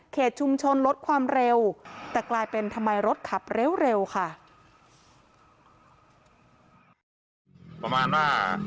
ชุมชนลดความเร็วแต่กลายเป็นทำไมรถขับเร็วค่ะ